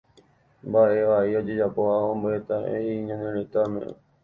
Mbaʼe vai ojejapóva ombyetiai ñane retãme.